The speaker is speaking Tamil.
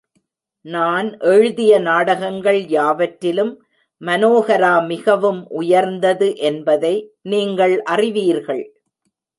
நான் எழுதிய நாடகங்கள் யாவற்றிலும் மனேஹரா மிகவும் உயர்ந்தது என்பதை நீங்கள் அறிவீர்கள்.